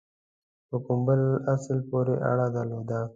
په کوم بل اصل پوري اړه درلوده.